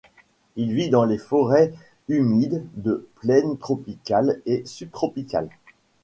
Il vit dans les forêts humides de plaine tropicales et subtropicales.